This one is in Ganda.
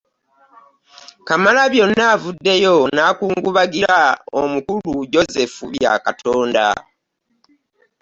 Kamalabyonna avuddeyo n'akungubagira omukulu Joseph Byakatonda.